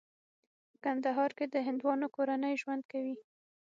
په کندهار کې د هندوانو کورنۍ ژوند کوي.